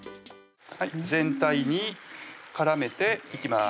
全体に絡めていきます